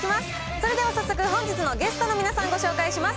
それでは早速、本日のゲストの皆さん、ご紹介します。